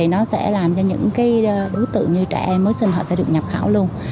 nó sẽ làm cho những đối tượng như trẻ mới sinh họ sẽ được nhập khảo luôn